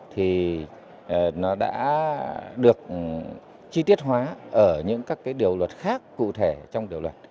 thì nó đã được chi tiết hóa ở những các cái điều luật khác cụ thể trong điều luật